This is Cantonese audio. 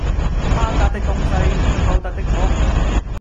他家的東西，偷得的麼？